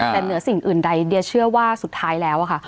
แต่เหนือสิ่งอื่นใดเดียเชื่อว่าสุดท้ายแล้วอะค่ะ